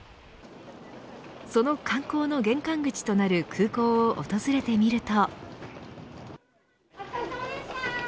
その観光の玄関口となる空港を訪れてみると。